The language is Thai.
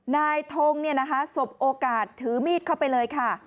นายทงสบโอกาสถือมีดเข้าไปเลยค่ะ